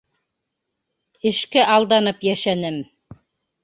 — Эшкә алданып йәшәнем.